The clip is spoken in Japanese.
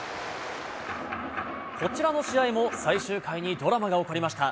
こちらの試合も最終回にドラマが起こりました。